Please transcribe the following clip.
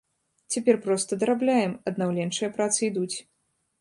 Цяпер проста дарабляем, аднаўленчыя працы ідуць.